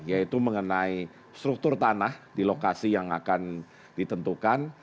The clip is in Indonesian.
yaitu mengenai struktur tanah di lokasi yang akan ditentukan